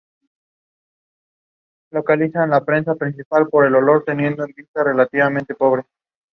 The Hellenic orogen is made up of three orogenic belts.